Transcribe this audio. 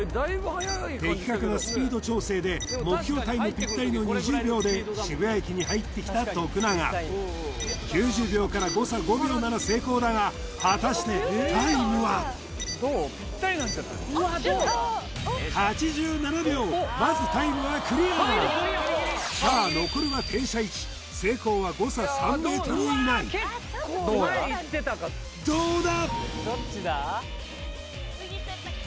的確なスピード調整で目標タイムピッタリの２０秒で渋谷駅に入ってきた徳永９０秒から誤差５秒なら成功だが果たしてタイムは８７秒まずタイムはクリアさあ残るは停車位置成功は誤差３ｍ以内どうだ？